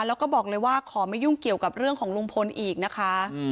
แล้วก็บอกเลยว่าขอไม่ยุ่งเกี่ยวกับเรื่องของลุงพลอีกนะคะ